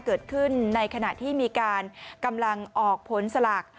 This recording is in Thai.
เกิดขึ้นในขณะที่มีการกำลังออกผลสลาก